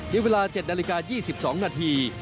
ในเวลา๗นาฬิกา๒๒นาที